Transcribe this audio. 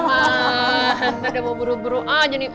ada mau buru buru aja nih